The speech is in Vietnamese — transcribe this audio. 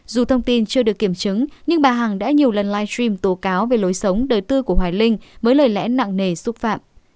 dù thông tin chưa được kiểm chứng nhưng bà hằng đã nhiều lần live stream tố cáo về lối sống đời tư của hoài linh với lời lẽ nặng nề xúc phạm